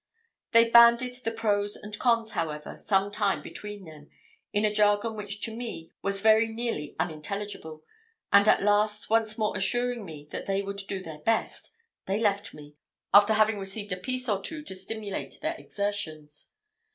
They banded the pros and cons, however, some time between them, in a jargon which to me was very nearly unintelligible; and at last, once more assuring me that they would do their best, they left me, after having received a piece or two to stimulate their exertions.